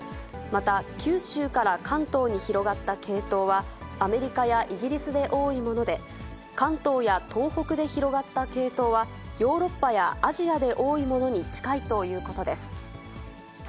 また九州から関東に広がった系統は、アメリカやイギリスで多いもので、関東や東北で広がった系統は、ヨーロッパやアジアで多いものに近いということです。